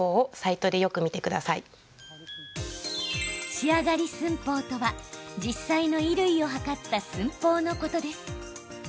仕上がり寸法とは、実際の衣類を測った寸法のことです。